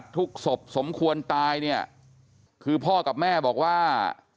ศพสมควรตายเนี่ยคือพ่อกับแม่บอกว่า